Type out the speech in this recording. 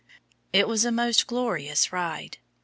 It was a most glorious ride.